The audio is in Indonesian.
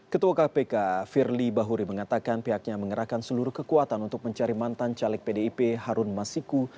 ketua kpk firly bahuri mengatakan pihaknya mengerahkan seluruh kekuatan untuk mencari mantan caleg pdip harun masiku